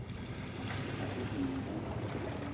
À te dìng mbú